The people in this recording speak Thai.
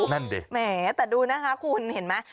แต่ดูนะคะคุณเห็นไหม